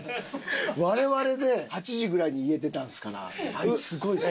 我々で８時ぐらいに家出たんですからあいつすごいですよ。